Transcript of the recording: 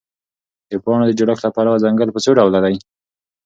د پاڼو د جوړښت له پلوه ځنګل په څوډوله دی؟